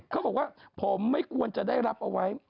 เขาบอกว่าผมไม่ควรจะได้รับเอาไว้